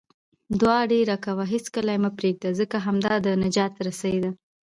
دعاء ډېره کوه، هیڅکله یې مه پرېږده، ځکه همدا د نجات رسۍ ده